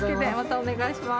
お願いします。